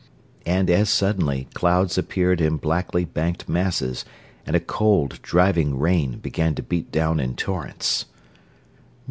And as suddenly clouds appeared in blackly banked masses and a cold, driving rain began to beat down in torrents.